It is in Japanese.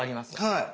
はい。